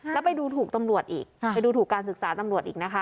แล้วไปดูถูกตำรวจอีกไปดูถูกการศึกษาตำรวจอีกนะคะ